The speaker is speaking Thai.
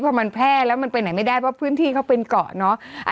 พอมันแพร่แล้วมันไปไหนไม่ได้เพราะพื้นที่เขาเป็นเกาะเนาะ